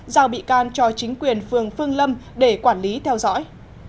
giao bị can cho chính quyền phường phương lâm để quản lý theo dõi